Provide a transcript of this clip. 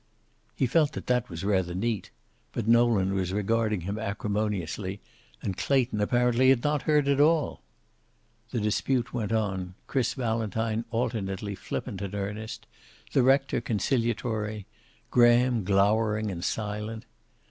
He felt that that was rather neat. But Nolan was regarding him acrimoniously, and Clayton apparently had not heard at all. The dispute went on, Chris Valentine alternately flippant and earnest, the rector conciliatory, Graham glowering and silent.